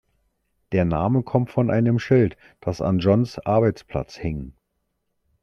Der Name kommt von einem Schild, das an John's Arbeitsplatz hing.